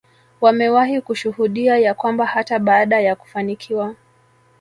wamewahi kushuhudia ya kwamba hata baada ya kufanikiwa